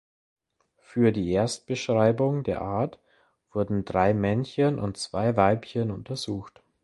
Für die Erstbeschreibung der Art wurden drei Männchen und zwei Weibchen untersucht.